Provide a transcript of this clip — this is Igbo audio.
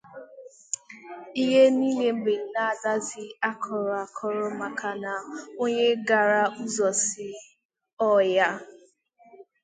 Ihe niile wee na-adazị 'hakoro hakoro' maka na onye ghara ụzọ si ọhịa